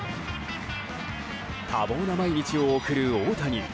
多忙な毎日を送る大谷。